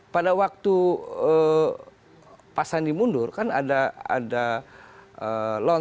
pada waktu pasan dimundur kan ada